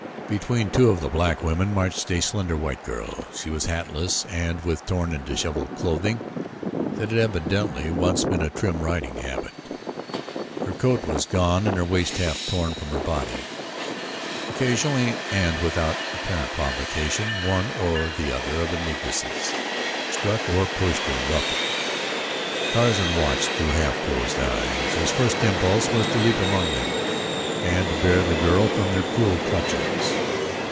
Between two of the black women marched a slender white girl. She was hatless and with torn and disheveled clothing that had evidently once been a trim riding habit. Her coat was gone and her waist half torn from her body. Occasionally and without apparent provocation one or the other of the Negresses struck or pushed her roughly. Tarzan watched through half closed eyes. His first impulse was to leap among them and bear the girl from their cruel clutches.